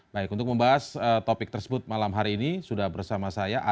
baik untuk membahas topik tersebut malam hari ini sudah bersama saya